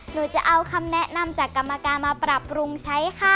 หนูจะเอาคำแนะนำจากกรรมการมาปรับปรุงใช้ค่ะ